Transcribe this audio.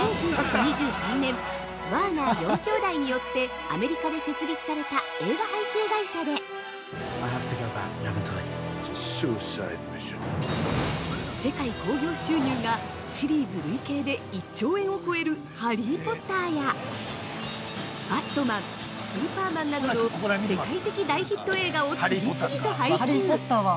◆１９２３年にワーナー四兄弟によってアメリカで設立された映画配給会社で世界興行収入が、シリーズ累計で１兆円を超えるハリー・ポッターやバットマン・スーパーマンなどの世界的大ヒット映画を次々と配給！